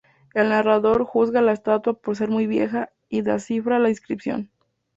El narrador juzga la estatua por ser muy vieja y descifra la inscripción.